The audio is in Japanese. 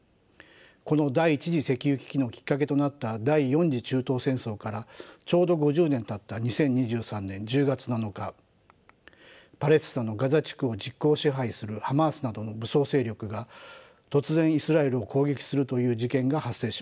この第１次石油危機のきっかけとなった第４次中東戦争からちょうど５０年たった２０２３年１０月７日パレスチナのガザ地区を実効支配するハマースなどの武装勢力が突然イスラエルを攻撃するという事件が発生しました。